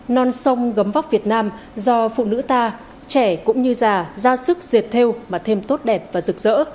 non sông gấm vóc việt nam do phụ nữ ta trẻ cũng như già ra sức diệt thêu mà thêm tốt đẹp và rực rỡ